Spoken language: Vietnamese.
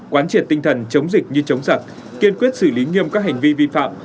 quán triệt tinh thần chống dịch như chống giặc kiên quyết xử lý nghiêm các hành vi vi phạm